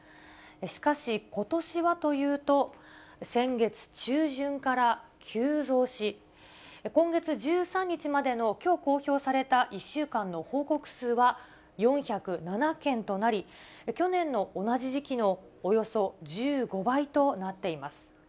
しかし、ことしはというと、先月中旬から急増し、今月１３日までの、きょう公表された１週間の報告数は４０７件となり、去年の同じ時期のおよそ１５倍となっています。